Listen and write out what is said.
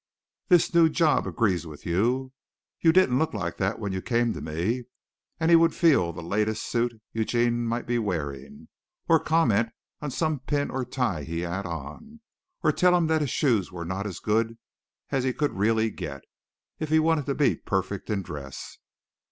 This new job agrees with you. You didn't look like that when you came to me," and he would feel the latest suit Eugene might be wearing, or comment on some pin or tie he had on, or tell him that his shoes were not as good as he could really get, if he wanted to be perfect in dress.